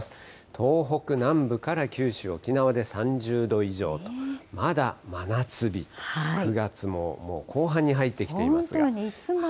東北南部から九州、沖縄で３０度以上と、まだ真夏日、９月もう後半に入ってきていますが。